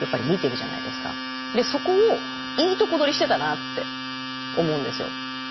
そこをいいとこ取りしてたなって思うんですよ。